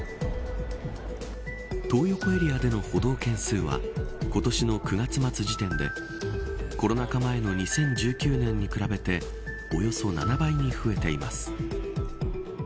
トー横エリアでの補導件数は今年の９月末時点でコロナ禍前の２０１９年に比べておよそ７倍に増えています。